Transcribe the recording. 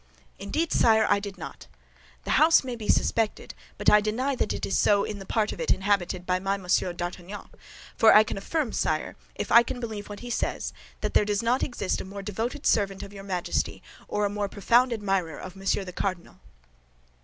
"Indeed, sire, I did not. The house may be suspected; but I deny that it is so in the part of it inhabited by Monsieur d'Artagnan, for I can affirm, sire, if I can believe what he says, that there does not exist a more devoted servant of your Majesty, or a more profound admirer of Monsieur the Cardinal."